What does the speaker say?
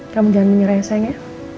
kamu jangan menyerah ya sayang ya